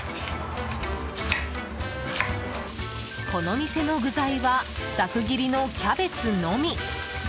この店の具材はざく切りのキャベツのみ。